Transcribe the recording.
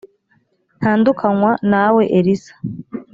ntandukanywa nawe elisa